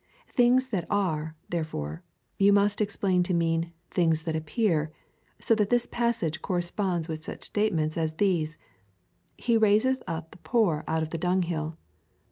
Things that are, therefore, you must explain to mean things that appear, so that this passage corresponds with such statements as these :— He raiseth up the poor out of the dunghill, (Ps.